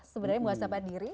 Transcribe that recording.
sebenarnya muhasabah diri